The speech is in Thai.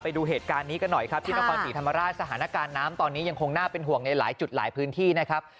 ไปดูเหตุการณ์นี้กันหน่อยครับที่นครศรีธรรมราชสถานการณ์น้ำตอนนี้ยังคงน่าเป็นห่วงในหลายจุดหลายพื้นที่นะครับ